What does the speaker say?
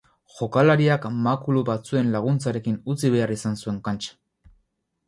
Jokalariak makulu batzuen laguntzarekin utzi behar izan zuen kantxa.